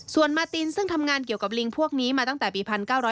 ส่วนมาตินซึ่งทำงานเกี่ยวกับลิงพวกนี้มาตั้งแต่ปี๑๙๙